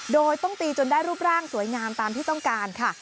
โดยต้องตีจนได้รูปร่างสวยงามตามที่ต้องการค่ะ